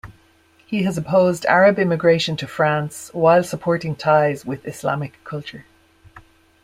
He has opposed Arab immigration to France, while supporting ties with Islamic culture.